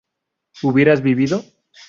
¿hubieras vivido?